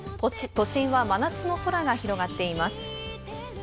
都心は真夏の空が広がっています。